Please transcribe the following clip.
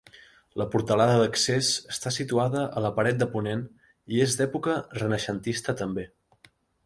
La portalada d'accés està situada a la paret de ponent i és d'època renaixentista també.